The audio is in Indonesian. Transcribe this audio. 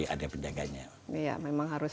ada penjaganya iya memang harus